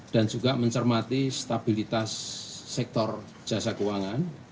juga mencermati stabilitas sektor jasa keuangan